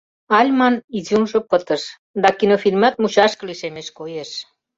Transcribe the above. Альман изюмжо пытыш, да кинофильмат мучашке лишемеш, коеш.